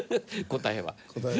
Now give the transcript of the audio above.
答えは。